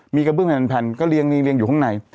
มีกระเบื้องแผ่นก็เรียงอยู่ข้างใน